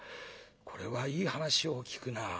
これはいい話を聞くなあ。